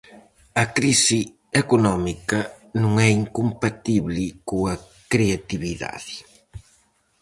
A crise económica non é incompatible coa creatividade.